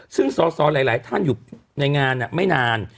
ซึ่งสอสอหลายท่านอยู่ในงานไม่นาน